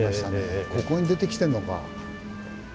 ここに出てきてんのか。